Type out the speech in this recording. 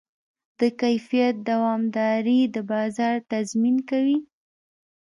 د کیفیت دوامداري د بازار تضمین کوي.